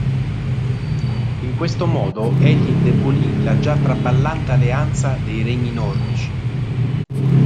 In questo modo, egli indebolì la già traballante alleanza dei regni nordici.